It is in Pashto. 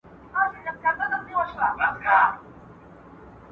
توتکۍ چي ځالګۍ ته را ستنه سوه !.